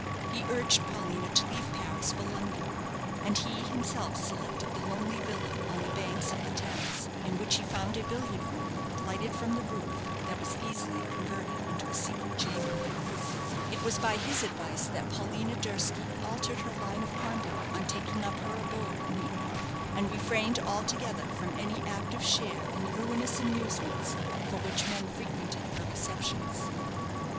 He urged Paulina to leave Paris for London; and he himself selected the lonely villa on the banks of the Thames, in which he found a billiard room, lighted from the roof, that was easily converted into a secret chamber. It was by his advice that Paulina Durski altered her line of conduct on taking up her abode in England, and refrained altogether from any active share in the ruinous amusements for which men frequented her receptions.